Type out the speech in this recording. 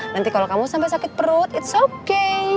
nanti kalau kamu sampai sakit perut it's okay